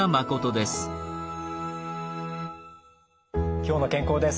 「きょうの健康」です。